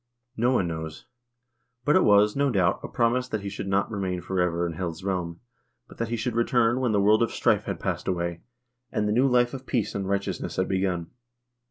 No one knows ; but it was, no doubt, a promise that he should not remain forever in Hel's realm, but that he should return when the world of strife had passed away, and the new life of peace and right eousness had begun.